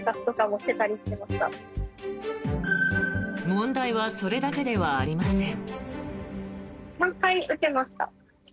問題はそれだけではありません。